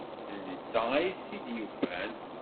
D netta ay t-id-yufan.